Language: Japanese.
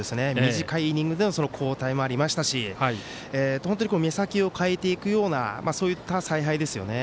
短いイニングでの交代もありましたし本当に目先を変えていくようなそういった采配ですよね。